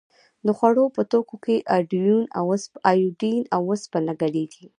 د خوړو په توکو کې ایوډین او اوسپنه ګډیږي؟